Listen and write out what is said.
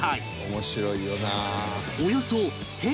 「面白いよな」